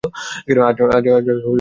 আজ খুব ভোরে পড়াশোনা করছে।